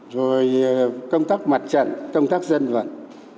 rồi công tác mặt trận công tác dân vận